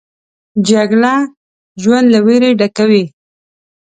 جګړه ژوند له ویرې ډکوي